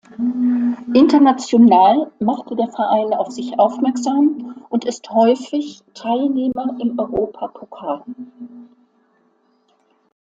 International machte der Verein auf sich aufmerksam und ist häufig Teilnehmer im Europapokal.